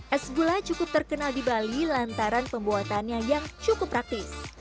es gula cukup terkenal di bali lantaran pembuatannya yang cukup praktis